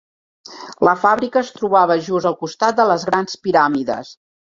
La fàbrica es trobava just al costat de les grans piràmides.